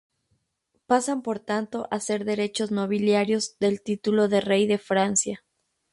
Pasan por tanto a ser derechos nobiliarios del título de rey de Francia.